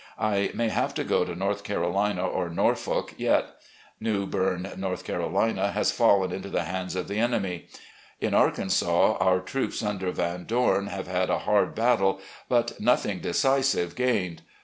.. I may have to go to North Carolina or Norfolk yet. New Berne, N. C., has fallen into the hands of the enemy. In Arkansas our troops under Van Dom have had a hard battle, but nothing decisive gained.